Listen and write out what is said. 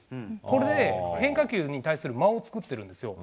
これで、変化球に対する間を作ってるんですよ。